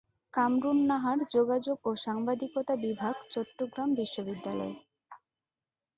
কামরুন নাহারযোগাযোগ ও সাংবাদিকতা বিভাগচট্টগ্রাম বিশ্ববিদ্যালয়।